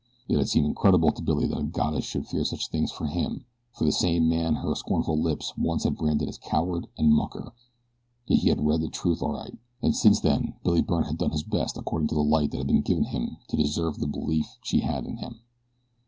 It had seemed incredible to Billy that a goddess should feel such things for him for the same man her scornful lips once had branded as coward and mucker; yet he had read the truth aright, and since then Billy Byrne had done his best according to the light that had been given him to deserve the belief she had in him.